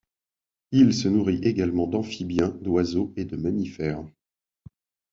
Il se nourrit également d'amphibiens, d'oiseaux et de mammifères.